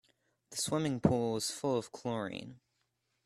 The swimming pool was full of chlorine.